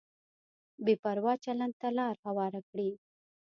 بې پروا چلند ته لار هواره کړي.